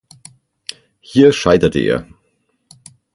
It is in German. Hier scheiterte er.